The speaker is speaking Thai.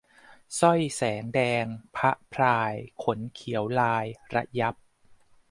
สร้อยแสงแดง พะพราย ขนเขียวลายระยับ